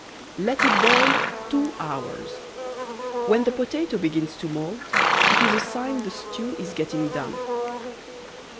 Let it boil two hours. When the potato begins to moult it is a sign the stew is getting done.